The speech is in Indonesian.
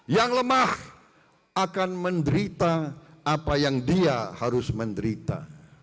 yang lemah akan menderita apa yang dia harus menderita